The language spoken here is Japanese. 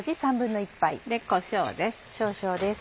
こしょうです。